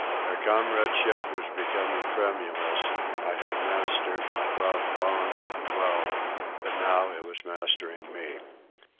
Our comradeship was becoming tremulous, I had mastered my love long and well, but now it was mastering me.